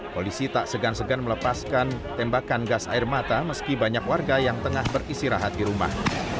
polisi tak segan segan melepaskan tembakan gas air mata meski banyak warga yang tengah beristirahat di rumah